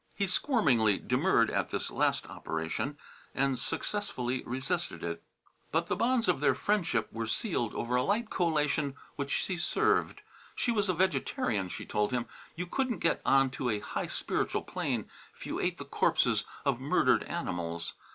He squirmingly demurred at this last operation, and successfully resisted it. But the bonds of their friendship were sealed over a light collation which she served. She was a vegetarian, she told him. You couldn't get on to a high spiritual plane if you ate the corpses of murdered animals.